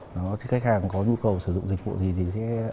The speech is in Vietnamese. nói chứ khách hàng có nhu cầu sử dụng dịch vụ gì thì sẽ ấn vào dịch vụ đó